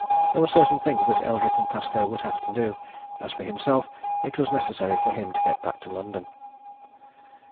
There were certain things that Eldrick & Pascoe would have to do; as for himself it was necessary for him to get back to London.